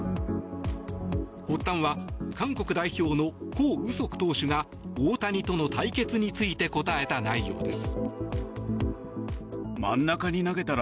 発端は韓国代表のコ・ウソク投手が大谷との対決について答えた内容です。